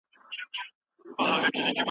د څېړنې عموميات: د